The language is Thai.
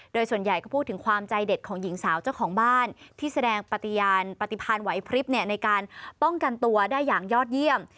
โดยส่วนใหญ่ก็พูดถึงความใจเด็ดของหญิงสาวเจ้าของบ้านที่แสดงปฏิญาณปฏิพันธ์ไหวพริบในการป้องกันตัวได้อย่างยอดเยี่ยม